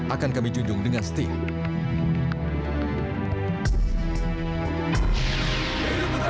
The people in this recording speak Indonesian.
akan kami jujurkan dengan setia